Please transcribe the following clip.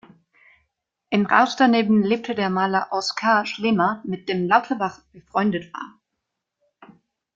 Im Haus daneben lebte der Maler Oskar Schlemmer, mit dem Lauterbach befreundet war.